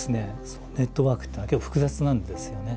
ネットワークっていうのは結構複雑なんですよね。